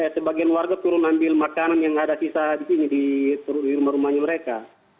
sebagian warga turun ambil makanan yang ada sisa di sini di rumah rumahnya mereka